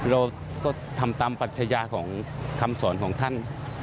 เราก็ทำตามปัชญาของคำสอนของท่าน